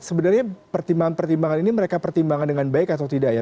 sebenarnya pertimbangan pertimbangan ini mereka pertimbangkan dengan baik atau tidak ya